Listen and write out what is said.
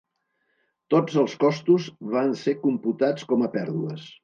Tots els costos van ser computats com a pèrdues.